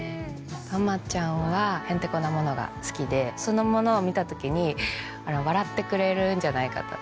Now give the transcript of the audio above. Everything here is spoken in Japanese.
玉ちゃんはヘンテコなものが好きでそのものを見た時に笑ってくれるんじゃないかと。